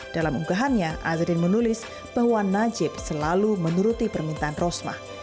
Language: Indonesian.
dalam unggahannya azrin menulis bahwa najib selalu menuruti permintaan rosmah